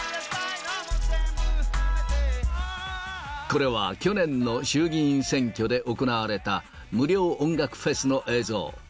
これは、去年の衆議院選挙で行われた無料音楽フェスの映像。